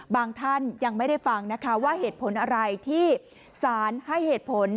ท่านยังไม่ได้ฟังนะคะว่าเหตุผลอะไรที่สารให้เหตุผล